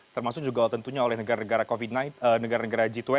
termasuk juga tentunya oleh negara negara g dua puluh